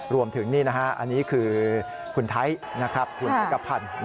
รวมถึงนี่นะฮะอันนี้คือคุณไทยคุณจักรพันธ์